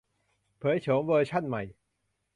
เผยโฉมเวอร์ชั่นใหม่